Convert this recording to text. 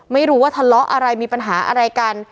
ไม่รู้ว่าทะเลาะอะไรมีปัญหาอะไรกัน